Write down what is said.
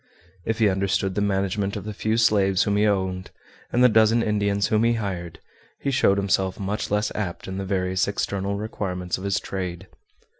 If he understood the management of the few slaves whom he owned, and the dozen Indians whom he hired, he showed himself much less apt in the various external requirements of his trade.